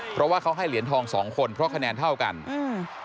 เพราะว่าเขาให้เหรียญทองสองคนเพราะคะแนนเท่ากันอืม